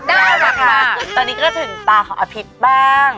ได้ค่ะตอนนี้ก็ถึงตาของอภิกษ์บ้าง